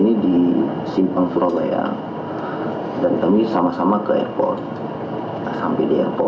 participar chapter jarak lebih banyak tapi saya hanya melakukan perpr specified dan lainnya